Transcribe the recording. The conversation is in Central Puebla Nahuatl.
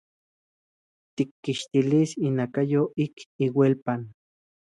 Tikkixtilis inakayo ik ielpan.